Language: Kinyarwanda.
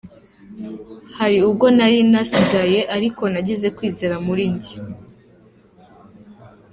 Hari ubwo nari nasigaye ariko nagize kwizera muri jye.